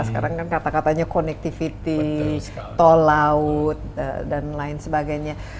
sekarang kan kata katanya connectivity tol laut dan lain sebagainya